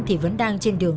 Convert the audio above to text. thì vẫn đang trên đường